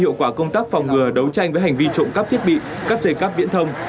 hiệu quả công tác phòng ngừa đấu tranh với hành vi trộm cắp thiết bị cắt dây cắp viễn thông